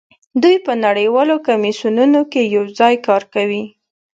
دوی په نړیوالو کمیسیونونو کې یوځای کار کوي